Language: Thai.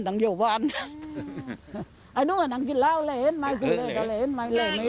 เท่านั้นไม่ไร้มีตอนไม่เหล้า